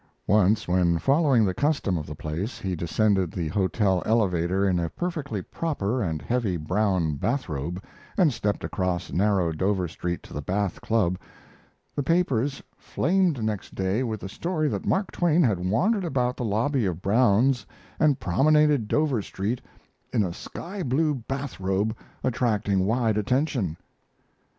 Once, when following the custom of the place, he descended the hotel elevator in a perfectly proper and heavy brown bath robe, and stepped across narrow Dover Street to the Bath Club, the papers flamed next day with the story that Mark Twain had wandered about the lobby of Brown's and promenaded Dover Street in a sky blue bath robe attracting wide attention.